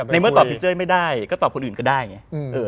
ในเมื่อตอบพิเจ้ยไม่ได้ก็ตอบคนอื่นก็ได้เนี่ย